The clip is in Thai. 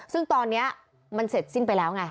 ซึ่งตอนนี้มันเสร็จสิ้นไปแล้วไง